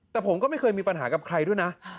แต่ผมก็ไม่เคยมีปัญหากับใครด้วยนะ